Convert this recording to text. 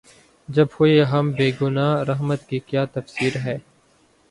جب ہوئے ہم بے گنہ‘ رحمت کی کیا تفصیر ہے؟